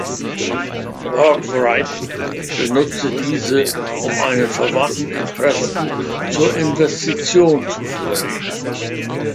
Arkwright benutzte diese, um einen Verwandten in Preston zur Investition zu überreden.